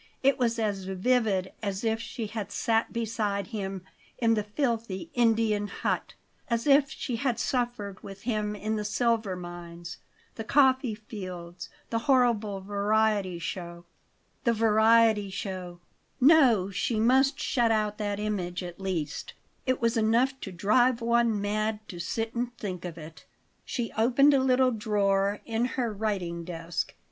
It was as vivid as if she had sat beside him in the filthy Indian hut; as if she had suffered with him in the silver mines, the coffee fields, the horrible variety show The variety show No, she must shut out that image, at least; it was enough to drive one mad to sit and think of it. She opened a little drawer in her writing desk.